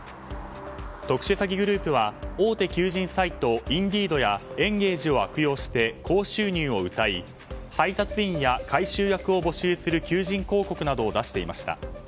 特殊詐欺グループは大手求人サイト、インディードやエンゲージを悪用して高収入をうたい配達員や回収役を募集する求人広告などを出していました。